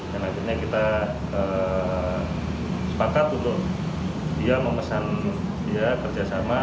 dan akhirnya kita sepakat untuk dia memesan kerjasama